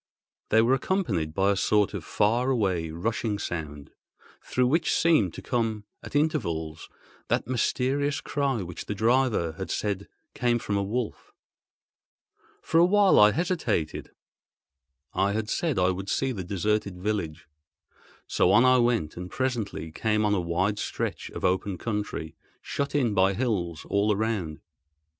They were accompanied by a sort of far away rushing sound, through which seemed to come at intervals that mysterious cry which the driver had said came from a wolf. For a while I hesitated. I had said I would see the deserted village, so on I went, and presently came on a wide stretch of open country, shut in by hills all around.